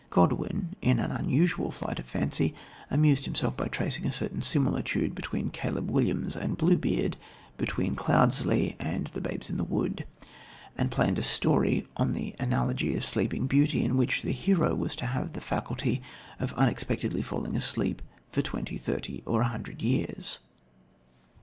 Godwin, in an unusual flight of fancy, amused himself by tracing a certain similitude between Caleb Williams and Bluebeard, between Cloudesley and The Babes in the Wood, and planned a story, on the analogy of the Sleeping Beauty, in which the hero was to have the faculty of unexpectedly falling asleep for twenty, thirty, or a hundred years.